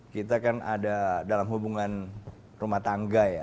kita kan ada dalam hubungan rumah tangga ya